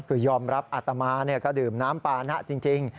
คือยอมรับอาตมาก็ดื่มน้ำปานะจริง